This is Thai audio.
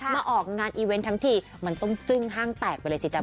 มาออกงานอีเวนต์ทั้งทีมันต้องจึ้งห้างแตกไปเลยสิจ๊